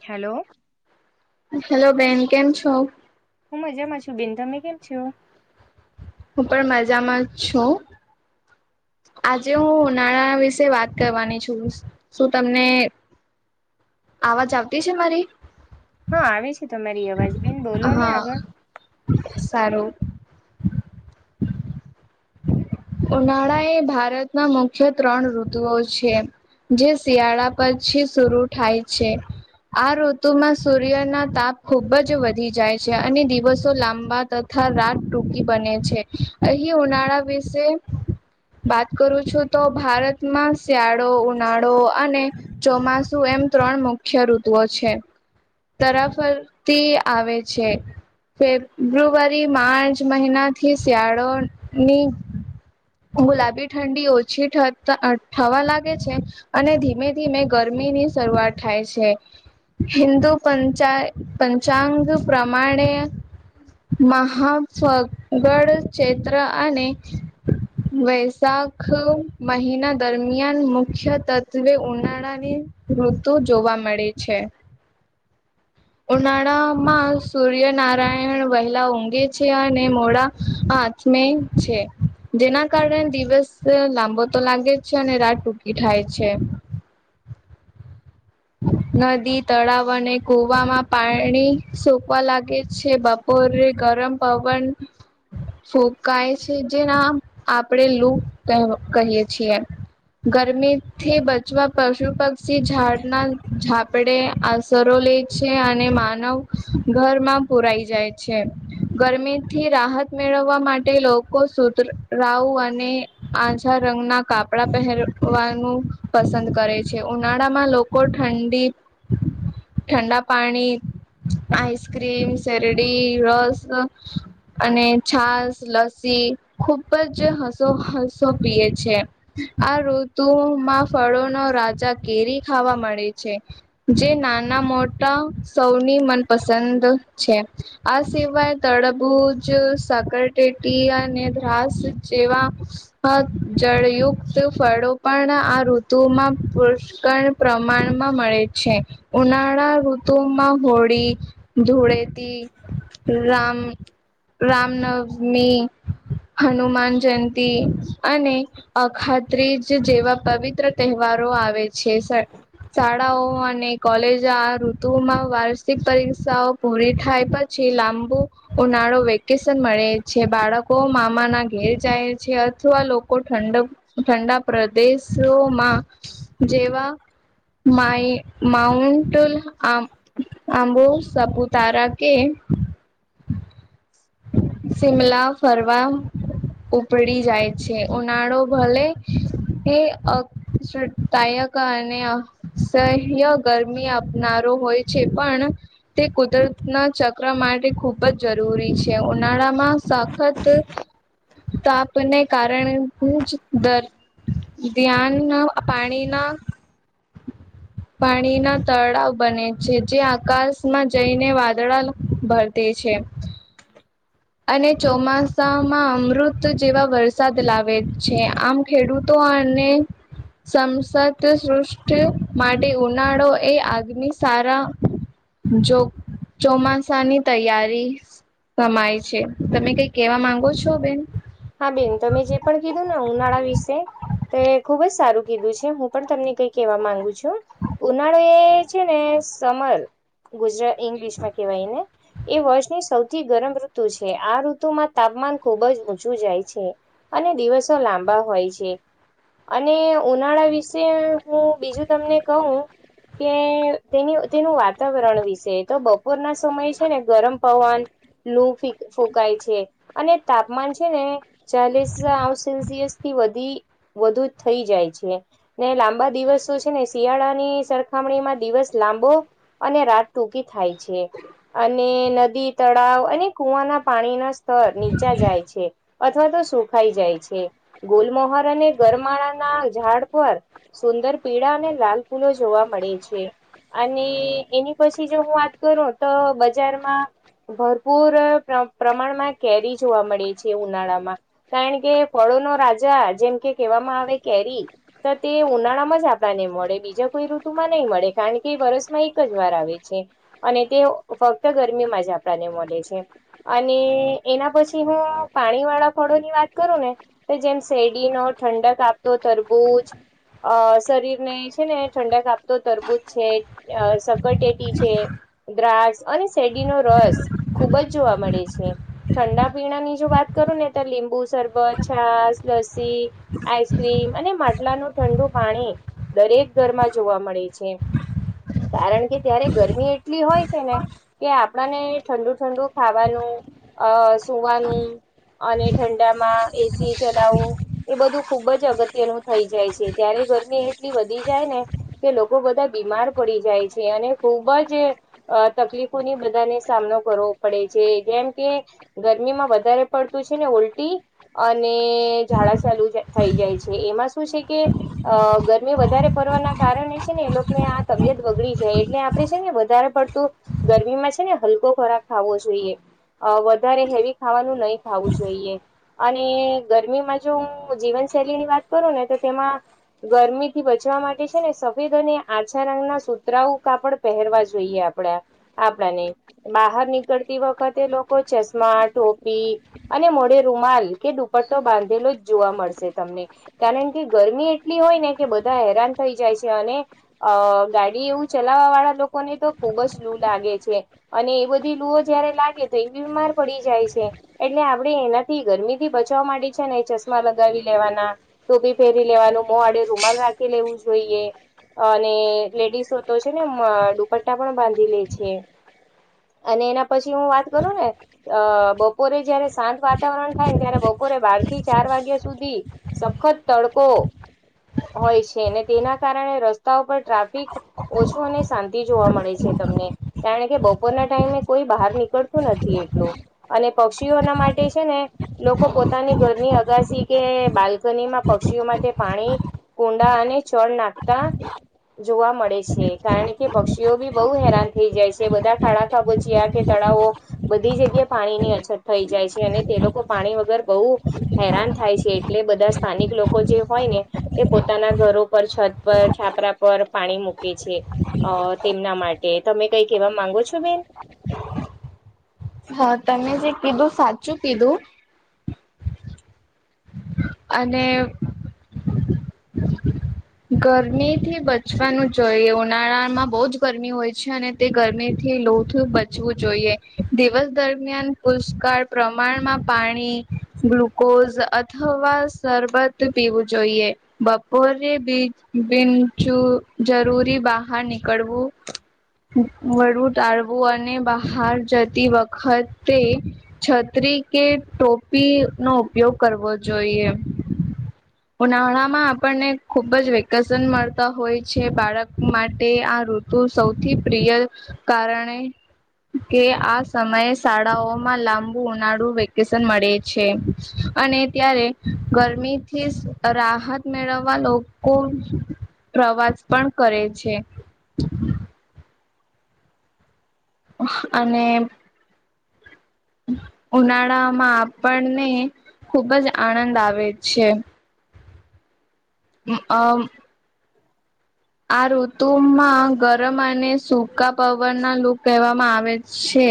Hello! Hello બેન. કેમ છો? હું મજામાં છું બેન. તમે કેમ છો? હું પણ મજામાં છું. આજે હું ઉનાળા વિશે કરવાની છું. શું તમને આવાજ આવતી છે મારી? હા આવે છે તમારી અવાજ બેન બોલો ને હા આગળ સારું. ઉનાળા એ ભારતમાં મુખ્ય ત્રણ ઋતુઓ છે. જે શિયાળા પછી સુરુ થાય છે. આ ઋતુમાં સૂર્યના તાપ ખુબ જ વધી જાય છે. અને દિવસો લાંબા. તથા રાત ટૂંકી બને છે. અહીં ઉનાળા વ વાત કરું છું, તો ભારતમાં શિયાળા ઉનાળો અને ચોમાસુ એમ ત્રણ મુખ્ય ઋતુઓ છે. તરાફરતી આવે છે. ફેબ્રુઆરી, માર્ચ મહિના થી શિયાળોની, ગુલાબી ઠંડી ઓછી થ થવા લાગે છે. અને ધીમે ધીમે ગરમીની શરૂઆત થાય છે, હિન્દુ. પંચા પંચાંગ પ્રમાણે. મહાફગડ ક્ષેત્ર અને, વૈશાખ મહિના દરમિયાન મુખ્ય તત્ત્વે ઉનાળાની. ઋતુ જોવા મળે છે. ઉનાળામાં સૂર્યનરા વહેલા ઊંઘે છે, અને મોડા હાથમે છે. જેના કારણે દિવસ લાંબો તો લાગે જ છે અને રાત ટૂંકી થાય છે. નદી, તળાવ અને કુવા માં પાણી સુકવા લાગે. છે બપોરે ગરમ પવન. ફૂકાય છે, જે નામ આપણેે લૂહ કહીયએ છીએ. ગરમી થી બચવા પશુ પક્ષી ઝાડના ઝાપડે અસર. લે છે અને માનવ ઘરમાં પુરાઈ જાય છે. ગરમીથી રાહત મેળવવા માટે લોકો સુધરાવ અને આછા રંગ ના કાપડા પહેરવાનું પસંદ કરે. છે. ઉનાળા માં લોકો ઠંડી. ઠંડા પાણી, આઈસ્ક્રીમ, શેરડી, રસ. અને છાસ, લસી ખુબ જ હસો હસો પીએ છે. આ ઋતુમાં ફળો નો રાજા કેરી ખાવા મળે છે. જે નાના મોટા સૌની મનપસંદ છે. આ સિવાય. તડબૂજ, સાકરટેટી અને ધ્રાસ જેવા- જળયુક્ત ફળો પણ આ ઋતુમાં પુષ્ક પ્રમાણમાં મળે છે. ઉનાળા રઋતમાં હોળી, ધૂળેતી રામ. રામનવમી, હનુમાન જયંતિ અને અખાત્રીજ જેવા પવિત્ર તહેવારો આવે છે. શાળાઓ અને કોલેજ ઋતુમાં વાર્ષિક પરીક્ષાઓ પૂરી થાય પછી લાંબુ. ઉનાળો વેકેશન મળે છે બાળકો મામાના ઘેર છે. અથવા લોકો ઠંડક, ઠંડા પ્રદેશોમાં જેવા, માય માઉન્ટલ આંબુ, સાપુતારા કે, શિમલા ફરવા. ઉપડી જાય છે. ઉનાળો ભલે, એ અદાયક અને સય હ ગરમી આપનારો હોય છે. પણ તે કુદરતના ચક્ર માટે ખૂબ જ જરૂરી છે ઉનાળામાં સખત તાપ ને કારણે હું જ દર ધ્યાન ના પાણી ના પાણીના તળાવ બને છે જે આકાશમાં જઈને વાદળા ભરતે છે. અને ચોમાસામાં અમૃત જેવા વરસાદ લાવે છે આમ ખેડૂતો અને સમસદ સૃષ્ટિ માટે ઉનાળો એ આગની સારા જો ચોમાસાની તૈયારી સમાય છે તમે કઈ કેવા માંગો છો બેન? હા બેન તમે જે પણ કીધું ને ઉનાળા વિશે તો એ ખુબ જ સારું કીધું છે પણ કઈ કેહેવા માંગુ છું ઉનાળો એ છે ને સમર ગુજરાત ઈંગ્લિશમાં કેવાય ને એ વર્ષની સૌથી ગરમ ઋતુ છે આ ઋતુ માં તાપમાન ખુબ જ ઊંચું ચુ જાય છે અને દિવસો લાંબા હોય છે. અને ઉનાળા વિશે હું બીજું તમને કહું કે તેની તેનું વાતાવરણ વિશે તો બપોરના સમય છે ને ગરમ પવન લૂ ફૂકાય છે આને તાપમાન છે ને ચાલીસ સેલ્સિયસ થી વધી વધુ થઈ જાય છે. ને લાંબા દિવસ શું છે ને શિયાળાની સરખામણીમાં દિવસ લાંબો અને રાત ટૂંકી થાય છે. અને નદી તળાવ અને કુવાના પાણી ના સ્તર નીચા જાય છે. અથવા તો સુખાઈ જાય છે ગુલમહોર અને ગરમાળાના ઝાડ પર, સુંદર પીડા અને લાલ પૂલો જોવા મળે છે. અને એની પછી જો હું વાત કરું તો બજારમાં ભરપૂર પ્રમાણમાં કેરી જોવા મળી છે ઉનાળામાં કારણ કે ફળો નો રાજા જેમ કે કેહેવામાં આવે કેરી તો તે ઉનાળામાં જ આપણને મળે બીજા કોઈ ઋતુમાં નહીં મળે કારણ કે વરસમાં એક જ વાર આવે છે. અને તે ફક્ત ગરમીમાં જ આપણને મળે છે. અને એના પછી હું પાણી વાળા ફળોની વાત કરું ને તો જેમ શેરડી નો ઠંડક આપતો તરબૂજ અ શરીર ને છે ને ઠંડક આપતો તરબૂજ છે. અ સકરતેટી છે. દ્રાક્ષ અને શેરડીનો રસ ખુબ જ જોવા મળે છે ઠંડા પીણાની જો વાત કરુ ને તો લીંબુ સરબત, છાસ, લસી આઈસક્રીમ અને માટલાનું ઠંડુ પાણી દરેક ઘરમાં જોવા મળે છે. કારણ કે ત્યારે ગરમી એટલી હોય છે ને કે આપણે ઠંડુ ઠંડુ ખાવાનુ અ સુવાનું અને ઠંડામાં એસી ચલાવું એ બધું જ અગત્યનું થઈ જાય છે જ્યારે ગરમી એટલી વધી જાય ને કે લોકો બધા બીમાર પડી જાય છે અને ખુબ જ અ તકલીફોની બધાને સામનો કરવો પડે છે જેમ કે ગરમીમાં વધારે પડતું છે ને ઉલટી અને ઝાડા ચાલુ થઈ જાય છે એમાં શું છે કે અ ગરમી વધારે પડવાના કારણે છે ને એ લોકોને આ તબિયત બગડી જાય એટલે આપડે છે ને વધારે પડતું ગરમીમાં છે ને હલકો ખોરાક ખાવો જોઈએ વધારે અ હેવી ખાવાનું નહી ખાવું જોઈએ અને ગરમીમાં જો હું જીવનશૈલીની વાત કરું ને તો તેમાં ગરમીથી બચવા માટે છેને સફેદ અને આછા રંગના સુૂતરાઓ કાપડ પહેરવા જોઈએ આપડા આપડાને બહાર નીકળતી વખતે લોકો ચશ્મા, ટોપી અને મોઢે રૂમાલ કે દુપટ્ટો બાંધેલો જ જોવા મળશે તમને કારણ કે ગરમી એટલી હોય ને કે બધા હેરાન થઈ જાય છે અને અ ગાડી એવું ચલાવવાવાળા લોકોને તો ખુબ જ લૂ લાગે છે. અને એ બધી લુઓ જયારે લાગે તો એ બીમાર પડી જાય છે. એટલે આપણે એનાથી ગરમીથી બચવા માટે છે ને ચશ્મા લગાવી લેવાના, ટોપી પહેરી લેવાનું, મો આડો રૂમાલ રાખી લેવું જોઈએ. અને લેડીસો તો છે ને દુપટ્ટા પણ બાંધી લે છે. અને એના પછી હું વાત કરું ને અ બ પોરે જયારે શાંત વાતાવરણ થાયન ત્યારે બપોરે બાર થી ચાર વાગ્યા સુધી સખત તડકો હોય છે ને તેના કારણે રસ્તાઓ પર ટ્રાફિક ઓછો અને શાંતિ જોવા મળે છે તમને કારણ કે બપોરના ટાઈમે કોઈ બહાર નીકળતું નથી એટલું અને પક્ષીઓના માટે છે ને લોકો પોતાની ઘરની અગાસી કે બાલ્કનીમાં પક્ષીઓ માટે પાણી કુંડા અને ચણ નાખતા જોવા મળે છે. કારણ કે પક્ષીઓ બી બહુ હેરાન થઈ જાય છે બધા ખાડા ખાબોચીયા કે તળાવો બધી જગ્યાએ પાણીની અછત થઈ જાય છે અને તે લોકો પાણી વગર બહુ હેરાન થાય છે એટલે બધા સ્થાનિક લોકો જે હોય ને તે પોતાના ઘરો પર, છત પર, છાપરા પર પાણી મૂકે છે. અ તેમના માટે તમે કઈ કેવા માંગો છો બેન? હા તમે જે કીધું સાચું કીધું અને ગરમીથી બચવાનું જોઈએ. ઉનાળામાં બહુ જ ગરમી હોય છે અને તે ગરમીથી લૂથી બચવું જોઈએ. દિવસ દરમિયાન પુષ્કળ પ્રમાણમાં પાણી, ગ્લુકોઝ અથવા શરબત પીવું જોઈએ. બપોરે બિનજરૂરી બહાર નીકળવું વધુ ટાળવું અને બહાર જતી વખતે છત્રી કે ટોપીનો ઉપયોગ કરવો જોઈએ. ઉનાળામાં આપણને ખુબ જ વે- કેશન મળતા હોય છે બાળક માટે આ ઋતુ સૌથી પ્રિય કારણે કે આ સમયે શાળાઓમાં લાંબુ ઉનાળુ વેકેશન મળે છે અને ત્યારે ગરમીથી રાહત મેળવવા લો- કો પ્રવાસ પણ કરે છે. અને ઉનાળામાં આપણને ખુબ જ આનંદ આવે છે. હ અમ આ ઋતુમાં ગરમ અને સૂકા પવનના લુ કહેવામાં આવે છે.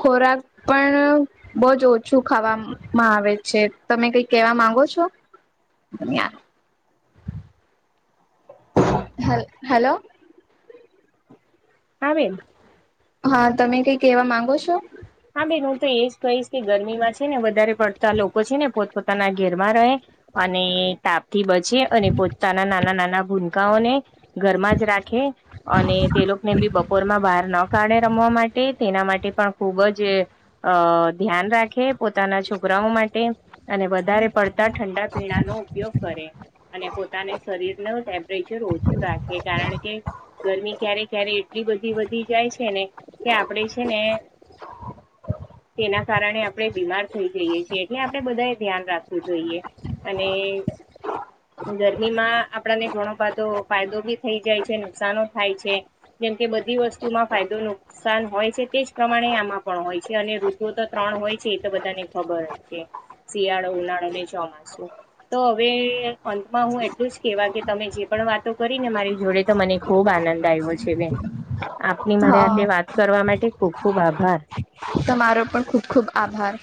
ખોરાક પણ બહુજ ઓછું ખાવામાં આવે છે. તમે કઈ કેવા માંગો છો? [unintelligible] હલ હાલો. હા બેન હા તમે કઈ કેવા માંગો છો? હા બેન હું તો એજ કહીશ કે ગરમીમાં છે ને વધારે પડતા લોકો છે ને પોતપોતાના ઘેરમાં રહે. અને તાપ થી બચીએ અને પોતાના નાના નાના ભૂનકાઓને ઘરમાં જ રાખે અને તે લોકોને બી બપોર માં બહાર ન કાઢે રમવા માટે તેના માટે પણ ખુબ જ જે અ ધ્યાન રાખે પોતાના છોકરાઓ માટે અને વધારે પડતા ઠંડા પીણા નો ઉપયોગ કરે અને પોતાને શરીર ન ટેમ્પરેચર ઓ [unintelligible] કારણ કે ગરમી ક્યારે ક્યારે એટલી બધી વધી જાય છે ને કે આપડે છે ને તેના કારણે આપણે બીમાર થઈ જઈએ છીએ એટલે આપડે બધા એ ધ્યાન રાખવું જોઈએ અને ગરમીમાં આપણને ઘણો બધો ફાયદો બી થઈ જાય છે નુકસનો થાય છે જેમકે બધી વસ્તુમાં ફાયદો નુકસાન હોય છે તેજ પ્રમાણે આમાં પણ હોય છે અને ઋતુ તો ત્રણ હોય છે એ તો બધાને ખબર અ જે શિયાળો ઉનાળો ને ચોમાસું તો હવે અંતમાં હું એટલું જ કેવા કે તમે જે પણ વાતો કરીને મારી જોડે તો મને ખૂબ આનંદ આવ્યો છે બેન આપની મારે હાથે હા વાત કરવા માટે ખૂબ ખૂબ આભાર તમારો પણ ખુબ ખુબ આભાર